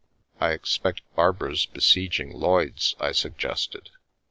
I expect Barbara's besieging Lloyds'/' I suggested.